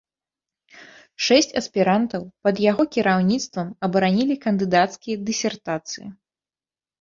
Шэсць аспірантаў пад яго кіраўніцтвам абаранілі кандыдацкія дысертацыі.